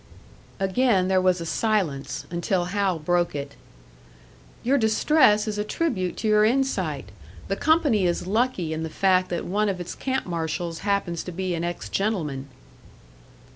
Again there was a silence, until Hal broke it. "Your distress is a tribute to your insight. The company is lucky in the fact that one of its camp marshals happens to be an ex gentleman."